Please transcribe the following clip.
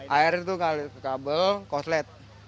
air itu ngalir ke kabel koslet